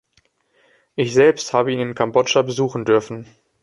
Ich selbst habe ihn in Kambodscha besuchen dürfen.